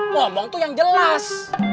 ngomong tuh yang jelas